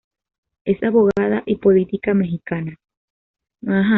Es abogada y política mexicana.